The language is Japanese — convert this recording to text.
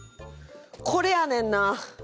これやねんな！